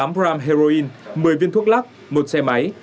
bốn mươi tám gram heroin một mươi viên thuốc lắc một xe máy